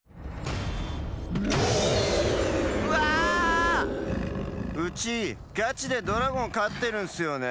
うちガチでドラゴンかってるんすよね。